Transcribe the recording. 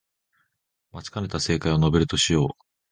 待ちかねた正解を述べるとしよう